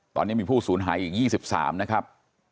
ตอนนี้มีผู้สูญหายอีก๒๓นะครับ